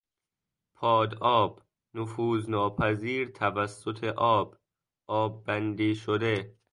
پاد آب، نفوذ ناپذیر توسط آب، آببندی شده